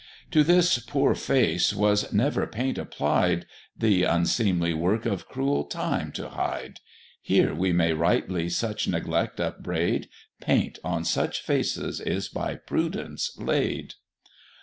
To this poor face was never paint applied, Th' unseemly work of cruel Time to hide; Here we may rightly such neglect upbraid, Paint on such faces is by prudence laid.